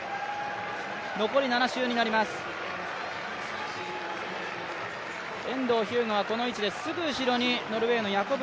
残り７周になります。